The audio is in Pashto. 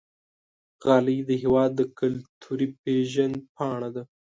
غالۍ د هېواد کلتوري پیژند پاڼه ده.